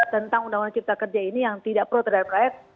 tentang undang undang cipta kerja ini yang tidak pro terhadap rakyat